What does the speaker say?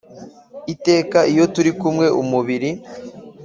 Iteka iyo turikumwe umubiri